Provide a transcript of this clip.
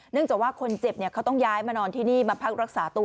จากว่าคนเจ็บเขาต้องย้ายมานอนที่นี่มาพักรักษาตัว